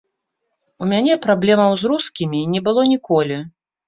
У мяне праблемаў з рускімі не было ніколі.